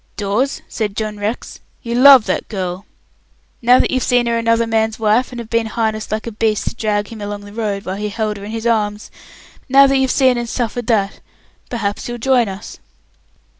"Dawes," said John Rex, "you love that girl! Now that you've seen her another man's wife, and have been harnessed like a beast to drag him along the road, while he held her in his arms! now that you've seen and suffered that, perhaps you'll join us."